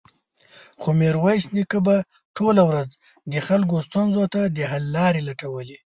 خو ميرويس نيکه به ټوله ورځ د خلکو ستونزو ته د حل لارې لټولې.